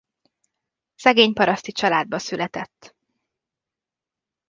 Szegényparaszti családba született.